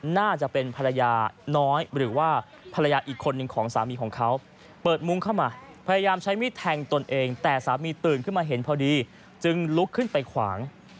น่าจะเป็นผรายาน้อยหรือว่า